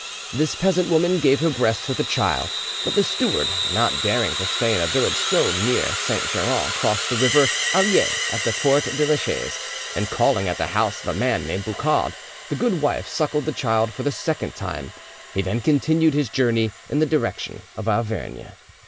This peasant woman gave her breast to the child; but the steward, not daring to stay in a village so near Saint Geran, crossed the river Allier at the port de la Chaise, and calling at the house of a man named Boucaud, the good wife suckled the child for the second time; he then continued his journey in the direction of Auvergne.